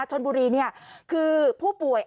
ชนบุรีคือผู้ป่วย